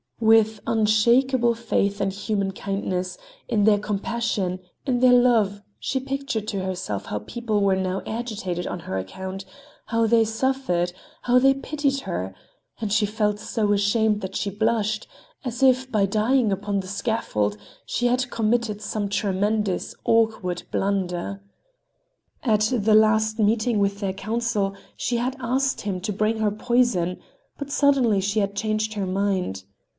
With unshakable faith in human kindness, in their compassion, in their love, she pictured to herself how people were now agitated on her account, how they suffered, how they pitied her, and she felt so ashamed that she blushed, as if, by dying upon the scaffold, she had committed some tremendous, awkward blunder. At the last meeting with their counsel she had asked him to bring her poison, but suddenly she had changed her mind.